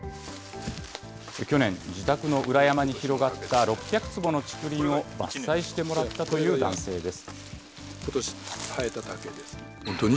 去年、自宅の裏山に広がった６００坪の竹林を伐採してもらったという男性です。